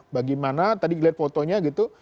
bagaimana tadi dilihat fotonya gitu